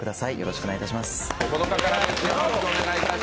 よろしくお願いします。